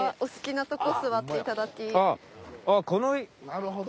なるほど。